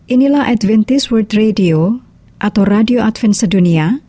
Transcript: inilah adventist world radio atau radio adventsa dunia